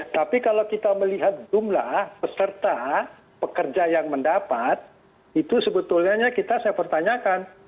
tapi kalau kita melihat jumlah peserta pekerja yang mendapat itu sebetulnya kita saya pertanyakan